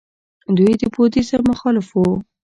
دوی د بودیزم مخالف وو